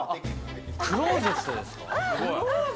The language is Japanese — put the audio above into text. クロゼットですか？